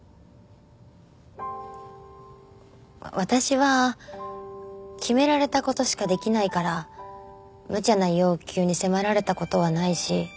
私は決められた事しかできないからむちゃな要求に迫られた事はないし。